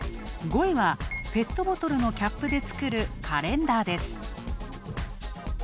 ５位は、ペットボトルのキャップで作るカレンダーです。